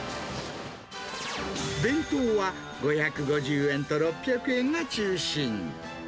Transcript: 弁当は、５５０円と６００円が中心。